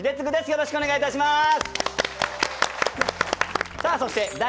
よろしくお願いします。